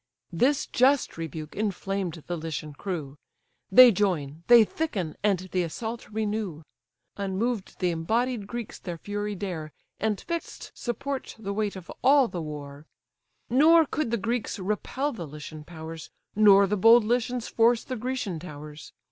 This just rebuke inflamed the Lycian crew; They join, they thicken, and the assault renew: Unmoved the embodied Greeks their fury dare, And fix'd support the weight of all the war; Nor could the Greeks repel the Lycian powers, Nor the bold Lycians force the Grecian towers.